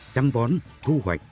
chăm bón thu hoạch